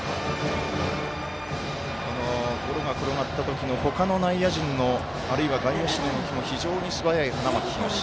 このゴロが転がった時の他の外野陣のあるいは外野手の動きも非常に素早い花巻東。